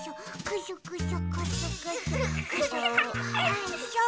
ないしょ。